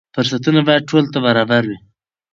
فرصتونه باید ټولو ته برابر وي.